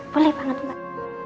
boleh banget mbak